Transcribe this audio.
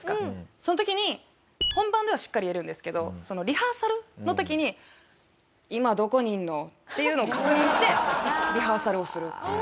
その時に本番ではしっかりやるんですけどリハーサルの時に「今どこにいるの？」っていうのを確認してリハーサルをするっていう。